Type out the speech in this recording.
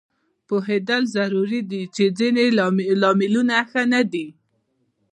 پوهېدل ضروري دي چې ځینې لاملونه ښه نه دي